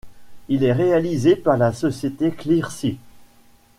Il est réalisé par la société ClearSy.